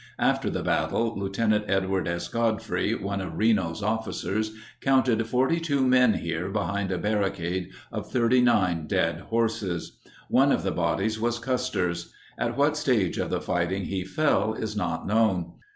After the battle, Lt. Edward S. Godfrey, one of Reno's officers, counted 42 men here behind a barricade of 39 dead horses. One of the bodies was Custer's. At what stage of the fighting he fell is not known.